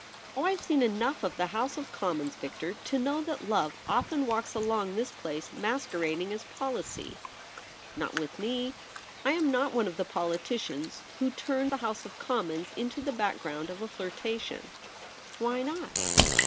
Oh, I've seen enough of the House of Commons, Victor, to know that love often walks along this place masquerading as policy.' ' Not with me. I am not one of the politicians who turn the House of Commons into the background of a flirtation.' ON THE TERRACE. 47 * Why not